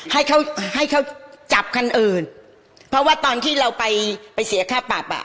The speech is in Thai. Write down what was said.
ให้เขาให้เขาจับคันอื่นเพราะว่าตอนที่เราไปไปเสียค่าปรับอ่ะ